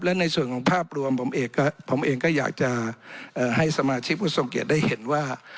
และในส่วนของภาพรวมผมเองก็อยากจะให้สมาชิกผู้ทรงเกียจได้เห็นว่า